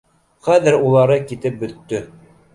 Хәҙер улары китеп бөттө.